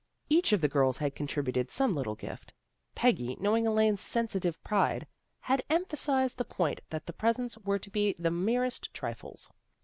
Each of the girls had contributed some little gift. Peggy, knowing Elaine's sensitive pride, had emphasized the point that the presents were to be the merest trifles.